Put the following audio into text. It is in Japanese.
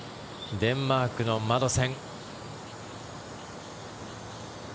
デンマークのマドセン。